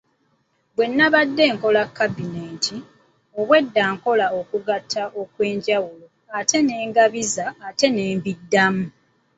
Bwe nabadde nkola kabineeti obwedda nkola okugatta okwenjawulo ate ne ngabiza ate ne mbiddamu.